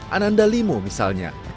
ananda limu misalnya